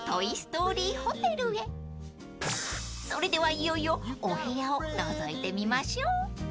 ［それではいよいよお部屋をのぞいてみましょう］